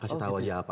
kasih tau aja apa